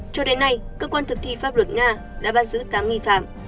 cho đến nay cơ quan thực thi pháp luật nga đã bắt giữ tám nghi phạm